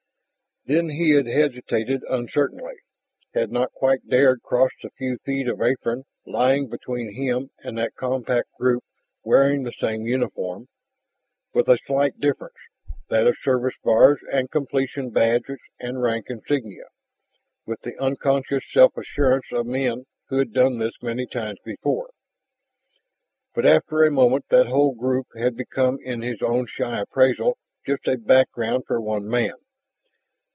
Then he had hesitated uncertainly, had not quite dared cross the few feet of apron lying between him and that compact group wearing the same uniform with a slight difference, that of service bars and completion badges and rank insignia with the unconscious self assurance of men who had done this many times before. But after a moment that whole group had become in his own shy appraisal just a background for one man.